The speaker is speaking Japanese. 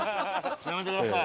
やめてください！